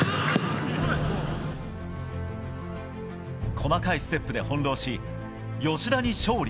細かいステップで翻弄し吉田に勝利。